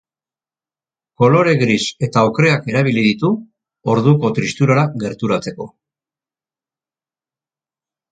Kolore gris eta okreak erabili ditu orduko tristurara gerturatzeko.